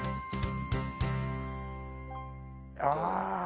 ああ。